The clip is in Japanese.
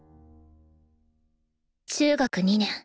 中学２年。